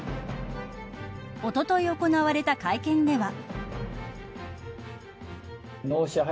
おととい行われた会見では。